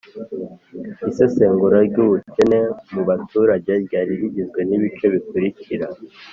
isesengura ry'ubukene mu baturage ryari rigizwe n'ibice bikurikira: